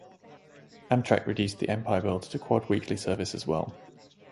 Amtrak reduced the "Empire Builder" to quad-weekly service as well.